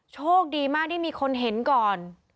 โชคดีมากที่มีคนเห็นก่อน